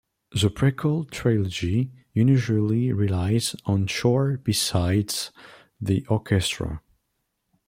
The prequel trilogy unusually relies on choir besides the orchestra.